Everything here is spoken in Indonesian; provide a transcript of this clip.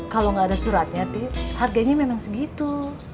kalau gak ada suratnya pip harganya memang segitu